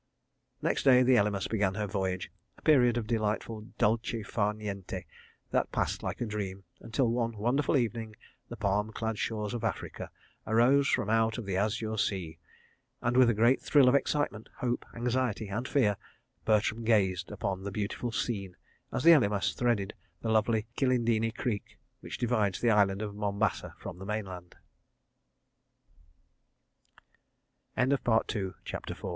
Next day the Elymas began her voyage, a period of delightful dolce far niente that passed like a dream, until one wonderful evening, the palm clad shores of Africa "arose from out of the azure sea," and, with a great thrill of excitement, hope, anxiety and fear Bertram gazed upon the beautiful scene, as the Elymas threaded the lovely Kilindini Creek which divides the Island of Mombasa from the mainla